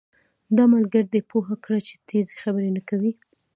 دا ملګری دې پوهه کړه چې تېزي خبرې نه کوي